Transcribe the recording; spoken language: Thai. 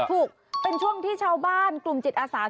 ถูกเป็นช่วงที่ชาวบ้านกลุ่มจิตอาศาสตร์